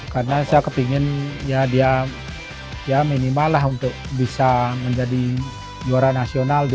karena saya kepingin ya dia ya minimal lah untuk bisa menjadi juara nasional